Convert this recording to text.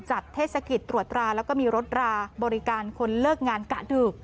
เทศกิจตรวจตราแล้วก็มีรถราบริการคนเลิกงานกะดึก